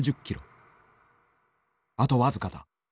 あとわずかだ！